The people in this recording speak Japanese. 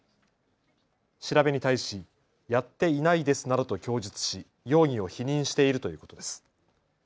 調べに対し、やっていないですなどと供述し容疑を否認しているということです。